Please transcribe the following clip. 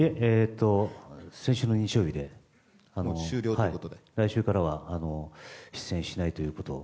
先週の日曜日で来週からは出演したいということを。